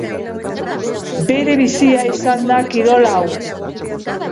Bere bizia izan da kirol hau.